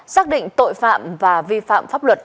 xác định tội phạm và vi phạm pháp luật